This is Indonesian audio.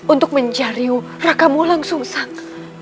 untuk menjariu rakam walang sungsang